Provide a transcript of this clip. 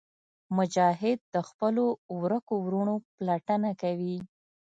مجاهد د خپلو ورکو وروڼو پلټنه کوي.